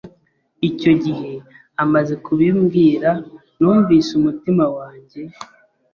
Icyo gihe amaze kubimbwira numvise umutima wanjye